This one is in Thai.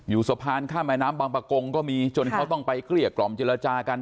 สะพานข้ามแม่น้ำบางประกงก็มีจนเขาต้องไปเกลี้ยกล่อมเจรจากัน